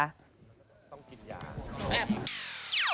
ต้องกินยา